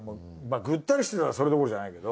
グッタリしてたらそれどころじゃないけど。